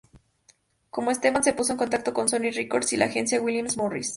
Con Estefan se puso en contacto con Sony Records y la agencia William Morris.